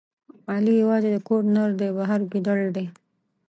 علي یوازې د کور نردی، بهر ګیدړ دی.